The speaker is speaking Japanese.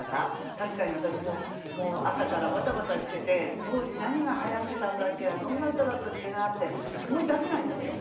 確かに私ももう朝からバタバタしてて当時何がはやってたんだっけなどんな歌だったっけなって思い出せないんですよ。